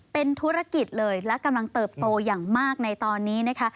เป็นธุรกิจเลยและกำลังเติบโตอย่างมากในตอนนี้นะคะ